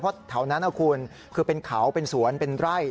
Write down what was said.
เพราะแถวนั้นนะคุณคือเป็นเขาเป็นสวนเป็นไร่